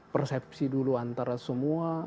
persepsi dulu antara semua